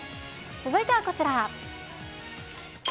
続いてはこちら。